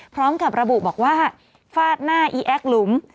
พร้อมกับระบุบอกว่าฟาดหน้าอีแอคหลุม